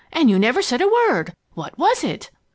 "And you never said a word! What was it?"